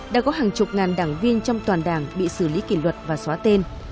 đã có hàng chục ngàn đảng viên trong toàn đảng bị xử lý kỷ luật và xóa tên